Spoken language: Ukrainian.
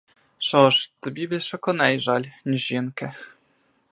Що ж, тобі більше коней жаль, ніж жінки?